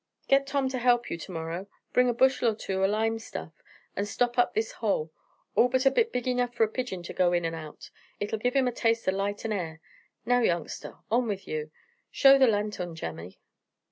"Get Tom to help you to morrow. Bring a bushel or two o' lime stuff, and stop up this hole, all but a bit big enough for a pigeon to go in and out. It'll give him a taste o' light and air. Now, youngster, on with you. Show the lanthorn, Jemmy."